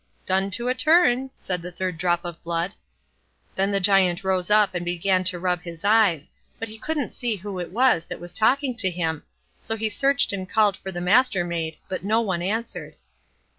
"Done to a turn", said the third drop of blood. Then the Giant rose up and began to rub his eyes, but he couldn't see who it was that was talking to him, so he searched and called for the Mastermaid, but no one answered.